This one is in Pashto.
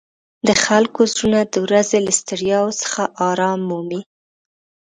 د خلکو زړونه د ورځې له ستړیاوو څخه آرام مومي.